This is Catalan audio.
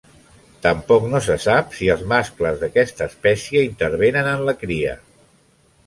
Tampoc no se sap si els mascles d'aquesta espècie intervenen en la cria.